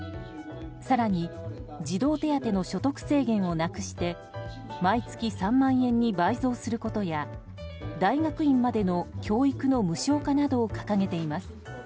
更に、児童手当の所得制限をなくして毎月３万円に倍増することや大学院までの教育の無償化などを掲げています。